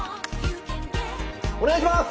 お願いします！